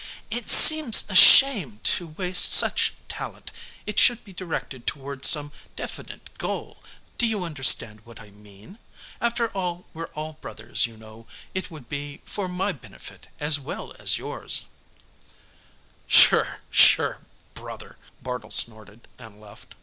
"It seems a shame to waste such talent; it should be directed toward some definite goal. Do you understand what I mean? After all, we're all brothers, you know. It would be for my benefit as well as yours." "Sure, sure, 'brother'," Bartle snorted and left.